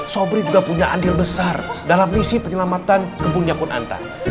sobri juga punya andir besar dalam misi penyelamatan kebunnya kun anta